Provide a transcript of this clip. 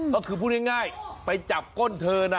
ก็คือพูดง่ายไปจับก้นเธอนะ